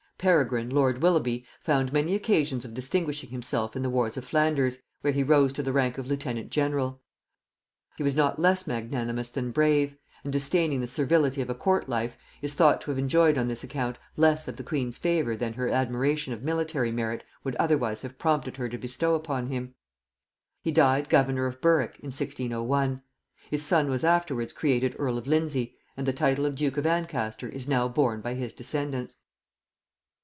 Peregrine lord Willoughby found many occasions of distinguishing himself in the wars of Flanders, where he rose to the rank of lieutenant general. He was not less magnanimous than brave; and disdaining the servility of a court life, is thought to have enjoyed on this account less of the queen's favor than her admiration of military merit would otherwise have prompted her to bestow upon him. He died governor of Berwick in 1601; his son was afterwards created earl of Lindsey, and the title of duke of Ancaster is now borne by his descendants.